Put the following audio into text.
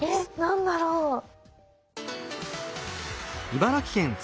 えっ何だろう。